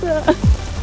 terima kasih kak